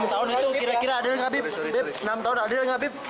enam tahun lalu kira kira adil nggak bip